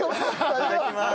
いただきまーす。